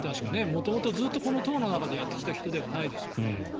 元々、ずっとこの党の中でやってきた人ではないですよね。